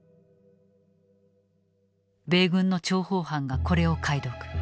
米軍の諜報班がこれを解読。